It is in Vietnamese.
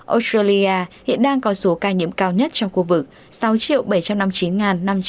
australia hiện đang có số ca nhiễm cao nhất trong khu vực sáu bảy trăm năm mươi chín năm trăm năm mươi tám ca tử vong